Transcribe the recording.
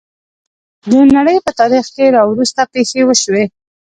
د نړۍ په تاریخ کې راوروسته پېښې وشوې.